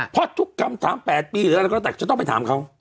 เพราะทุกคำถามแปดปีแล้วแล้วก็แตกจะต้องไปถามเขา